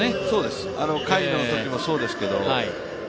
そうです、甲斐のときもそうですけど。